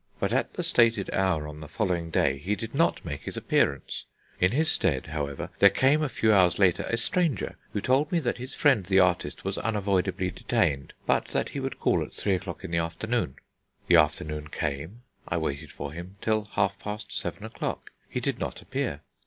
But at the stated hour on the following day he did not make his appearance; in his stead, however, there came, a few hours later, a stranger, who told me that his friend the artist was unavoidably detained, but that he would call at three o'clock in the afternoon. The afternoon came; I waited for him till half past seven o'clock. He did not appear.